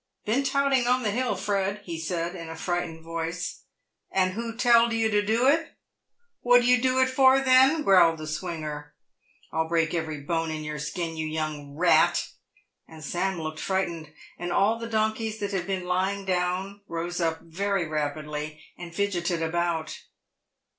" Been touting on the hill, Fred 7 " he said, in a frightened voice. "And who telled you to do it ?— What do you do it for, then?" growled the Swinger. " I'll break every bone in your skin, you young rat." And Sam looked frightened, and all the donkeys that had been lying down rose up very rapidly and fidgeted about.